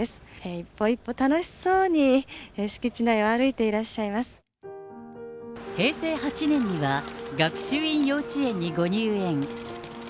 一歩一歩楽しそうに、平成８年には、学習院幼稚園にご入園。